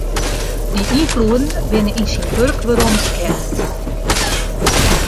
Dy ynfloeden binne yn syn wurk werom te kennen.